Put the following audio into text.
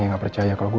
yang mencari kemampuan